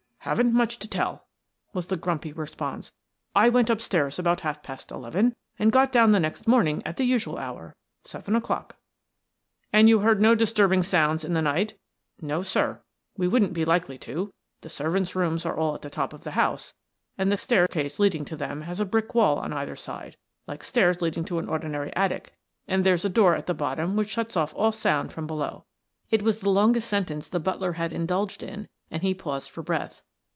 "Haven't much to tell," was the grumpy response. "I went upstairs about half past eleven and got down the next morning at the usual hour, seven o'clock." "And you heard no disturbing sounds in the night?" "No; sir. We wouldn't be likely to; the servants' rooms are all at the top of the house and the staircase leading to them has a brick wall on either side, like stairs leading to an ordinary attic, and there's a door at the bottom which shuts off all sound from below." It was the longest sentence the butler had indulged in and he paused for breath.